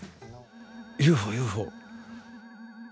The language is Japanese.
ＵＦＯＵＦＯ。